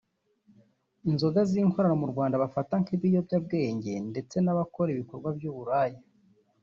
inzoga z’inkorano mu Rwanda bafata nk’ibiyobyebwenge ndetse n’abakora ibikorwa by’uburaya